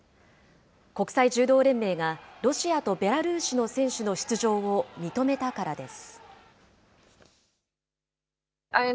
国際柔道連盟が、ロシアとベラルーシの選手の出場を認めたからです。